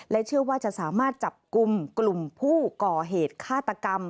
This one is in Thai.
เชื่อว่าจะสามารถจับกลุ่มกลุ่มผู้ก่อเหตุฆาตกรรม